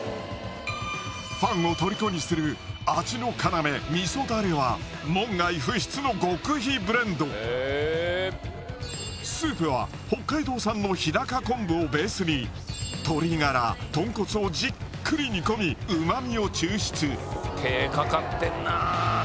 ファンをとりこにする味の要スープは北海道産の日高昆布をベースにじっくり煮込みうま味を抽出手掛かってんなぁ。